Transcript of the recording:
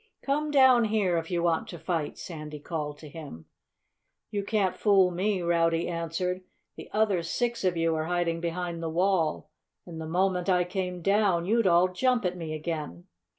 "Come down here, if you want to fight," Sandy called to him. "You can't fool me," Rowdy answered. "The other six of you are hiding behind the wall. And the moment I came down you'd all jump at me again.